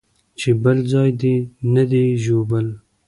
چې بل ځاى دې نه دى ژوبل.